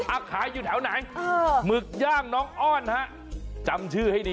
อ่ะขายอยู่ที่แถวไหน